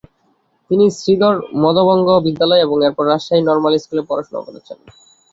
তিনি শ্রীধর মধ্যবঙ্গ বিদ্যালয় এবং এরপর রাজশাহী নর্মাল স্কুলে পড়াশোনা করেছেন।